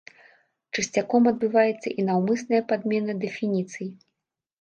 Часцяком адбываецца і наўмысная падмена дэфініцый.